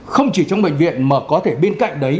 không chỉ trong bệnh viện mà có thể bên cạnh đấy